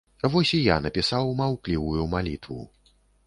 Вось і я напісаў маўклівую малітву.